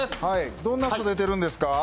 どんな人が出てるんですか？